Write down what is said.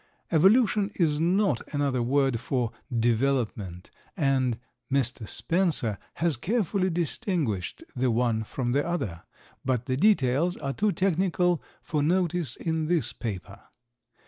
Evolution is not another word for Development, and Mr. Spencer has carefully distinguished the one from the other; but the details are too technical for notice in this paper.